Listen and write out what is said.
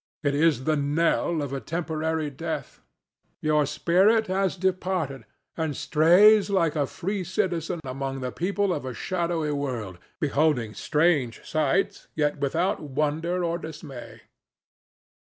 It is the knell of a temporary death. Your spirit has departed, and strays like a free citizen among the people of a shadowy world, beholding strange sights, yet without wonder or dismay.